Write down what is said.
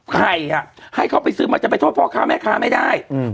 ใครอ่ะให้เขาไปซื้อมันจะไปโทษพ่อค้าแม่ค้าไม่ได้